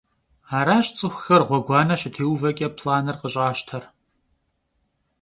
Araş ts'ıxuxer ğueguane şıtêuveç'e planır khış'aşter.